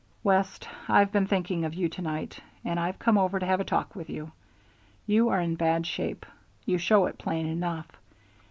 "West, I've been thinking of you to night, and I've come over to have a talk with you. You are in bad shape. You show it plain enough.